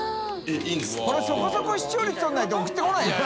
海そこそこ視聴率取らないと贈ってこないよ。